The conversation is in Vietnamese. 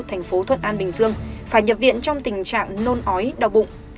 thành phố thuận an bình dương phải nhập viện trong tình trạng nôn ói đau bụng